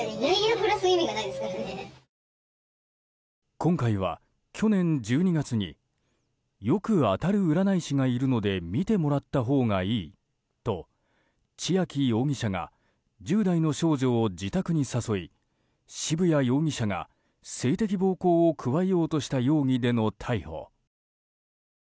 今回は、去年１２月によく当たる占い師がいるので見てもらったほうがいいと千秋容疑者が１０代の少女を自宅に誘い渋谷容疑者が性的暴行を加えようとした容疑での逮捕。